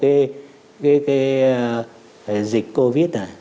không chế được cái dịch covid này